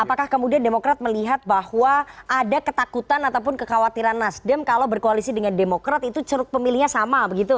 apakah kemudian demokrat melihat bahwa ada ketakutan ataupun kekhawatiran nasdem kalau berkoalisi dengan demokrat itu ceruk pemilihnya sama begitu